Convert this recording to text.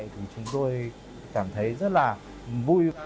thì chúng tôi cảm thấy rất là vui